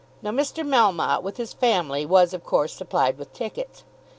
Now Mr. Melmotte with his family was, of course, supplied with tickets.